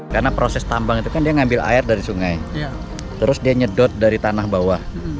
karena proses tambang itu kan dia ngambil air dari sungai terus dia nyedot dari tanah bawah